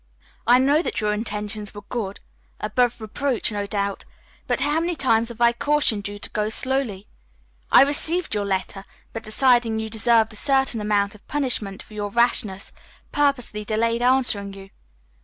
I know that your intentions were good, above reproach, no doubt, but how many times have I cautioned you to go slowly? I received your letter, but, deciding you deserved a certain amount of punishment for your rashness, purposely delayed answering you.